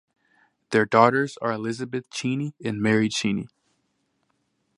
Their daughters are Elizabeth Cheney and Mary Cheney.